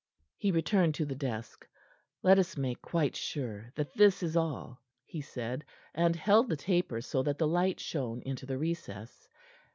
He returned to the desk. "Let us make quite sure that this is all," he said, and held the taper so that the light shone into the recess.